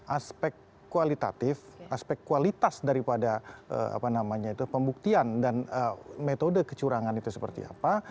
aspek kualitatif aspek kualitas daripada pembuktian dan metode kecurangan itu seperti apa